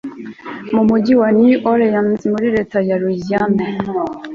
mu mujyi wa new orleans muri leta ya louisiana